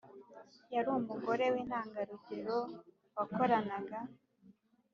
Yari umugore w intangarugero wakoranaga